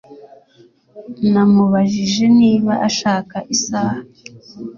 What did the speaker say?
namubajije niba ashaka isaha